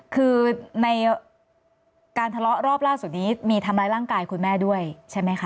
คือในการทะเลาะรอบล่าสุดนี้มีทำร้ายร่างกายคุณแม่ด้วยใช่ไหมคะ